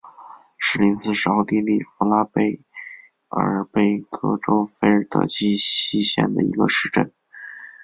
施林斯是奥地利福拉尔贝格州费尔德基希县的一个市镇。